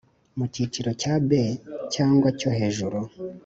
mu cyiciro cya B cyangwa cyo hejuru